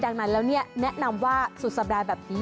ดังนั้นแนะนำว่าสุดสบายแบบนี้